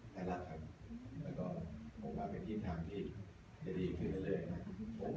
ใครรักกันแล้วก็ผมว่าเป็นที่ทำที่จะดีขึ้นได้เลยนะ